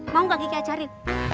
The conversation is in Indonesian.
mau gak kiki ajarin